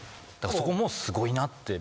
そこもすごいなって。